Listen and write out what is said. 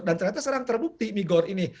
dan ternyata sekarang terbukti migor ini